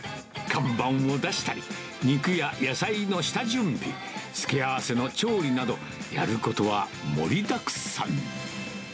看板を出したり、肉や野菜の下準備、付け合わせの調理など、やることは盛りだくさん。